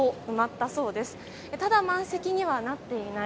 ただ、満席にはなっていない。